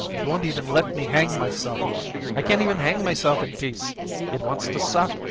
It won't even let me hang myself ! I can't even hang myself in peace! It wants to suck.